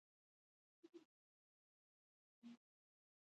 د زړورو مارغانو کیسه د هوښیارۍ سبق ورکوي.